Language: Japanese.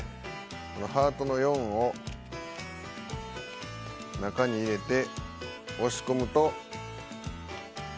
このハートの４を、中に入れて、押し込むと。